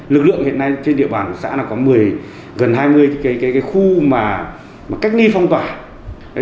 lực lượng hiện nay trên địa bàn của xã có gần hai mươi cái khu mà cách ni phong tỏa